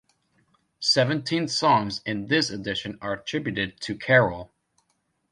Seventeen songs in this edition are attributed to Carrell.